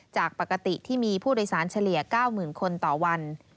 จากปกติที่มีผู้โดยสารเฉลี่ย๙๐๐คนต่อวัน